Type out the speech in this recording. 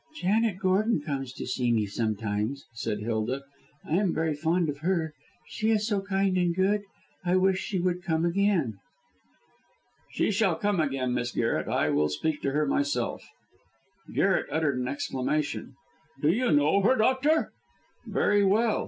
"Janet Gordon comes to see me sometimes," said Hilda. "I am very fond of her. She is so kind and good. I wish she would come again." "She shall come again, Miss Garret. I will speak to her myself." Garret uttered an exclamation. "Do you know her, doctor?" "Very well.